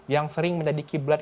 yang sering menjadi kiblat